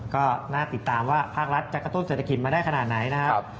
ก็น่าติดตามว่าภาครัฐจะกระตุ้นเศรษฐกิจมาได้ขนาดไหนนะครับ